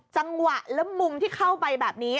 จังหวะและมุมที่เข้าไปแบบนี้